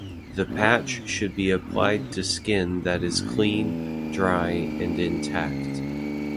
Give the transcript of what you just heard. The patch should be applied to skin that is clean, dry, and intact.